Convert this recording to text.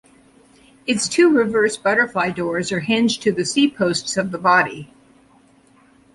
Its two reverse butterfly doors are hinged to the C-posts of the body.